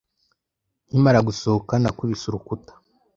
Nkimara gusohoka, nakubise urukuta.